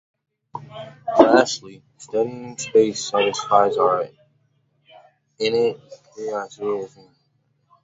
Lastly, studying space satisfies our innate curiosity as humans.